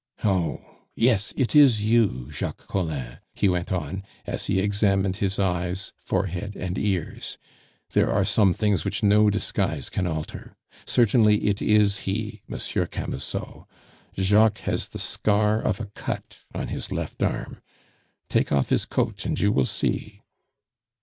"Oh! yes, it is you, Jacques Collin!" he went on, as he examined his eyes, forehead, and ears. "There are some things which no disguise can alter.... Certainly it is he, Monsieur Camusot. Jacques has the scar of a cut on his left arm. Take off his coat, and you will see..."